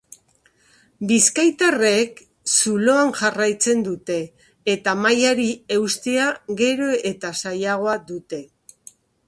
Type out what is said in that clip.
Bizkaitarrek zuloan jarraitzen dute eta mailari eustea gero eta zailagoa dute.